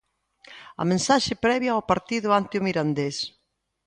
A mensaxe previa ao partido ante o Mirandés.